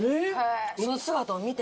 その姿を見て。